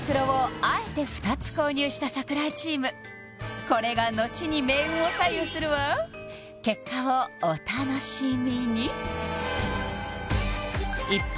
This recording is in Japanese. した櫻井チームこれがのちに命運を左右するわ結果をお楽しみに一方